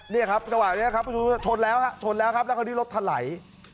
เนี่ยครับชนแล้วครับแล้วคราวนี้รถถาล่าย